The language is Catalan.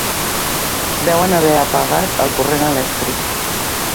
Deuen haver apagat el corrent elèctric.